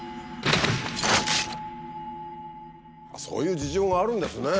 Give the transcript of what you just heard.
そういう事情があるんですね。